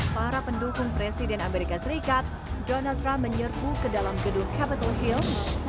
para pendukung presiden amerika serikat donald trump menyerbu ke dalam gedung capitol hill